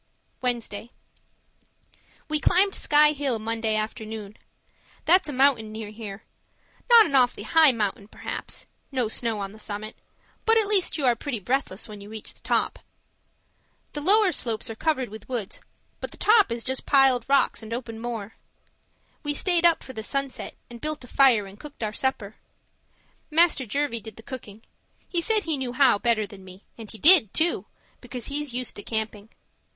Wednesday We climbed Sky Hill Monday afternoon. That's a mountain near here; not an awfully high mountain, perhaps no snow on the summit but at least you are pretty breathless when you reach the top. The lower slopes are covered with woods, but the top is just piled rocks and open moor. We stayed up for the sunset and built a fire and cooked our supper. Master Jervie did the cooking; he said he knew how better than me and he did, too, because he's used to camping.